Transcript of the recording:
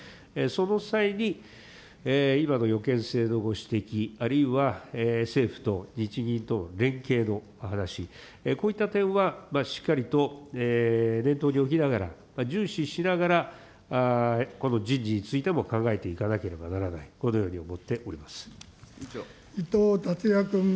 その際に、今の予見性のご指摘、あるいは政府と日銀との連携の話、こういった点はしっかりと念頭に置きながら、重視しながらこの人事についても考えていかなければならない、こ伊藤達也君。